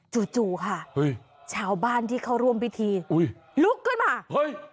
จู่ค่ะเฮ้ยชาวบ้านที่เขาร่วมพิธีอุ้ยลุกขึ้นมาเฮ้ย